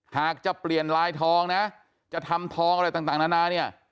หากจะเปลี่ยนลายทองนะจะทำทองอะไรต่างนานาเนี่ย